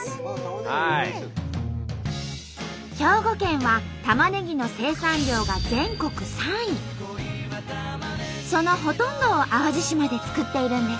兵庫県はたまねぎのそのほとんどを淡路島で作っているんです。